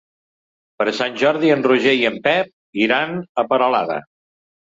Per Sant Jordi en Roger i en Pep iran a Peralada.